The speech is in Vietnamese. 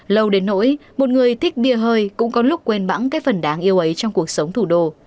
lâu đến nỗi một người thích bia hơi cũng có lúc quên bãng cái phần đáng yêu ấy trong cuộc sống thủ đô